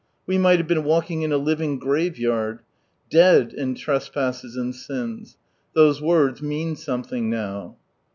We might have been walking in a living graveyard. " Dead in trespasses and sins "— those words mean something now.